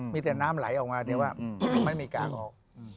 มีแต่น้ำไหลออกมาแต่ว่าไม่มีกากออก